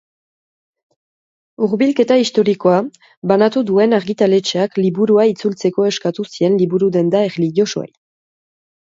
Hurbilketa historikoa, banatu duen argitaletxeak liburua itzultzeko eskatu zien liburudenda erlijiosoei.